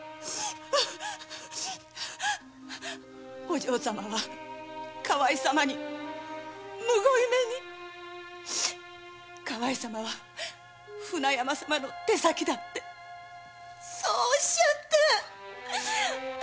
お嬢様は川井様にむごい目に川井様は船山様の手先だってそうおっしゃって。